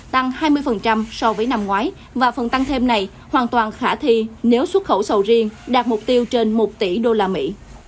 tăng hai mươi so với năm ngoái và phần tăng thêm này hoàn toàn khả thi nếu xuất khẩu sầu riêng đạt mục tiêu trên một tỷ đô la mỹ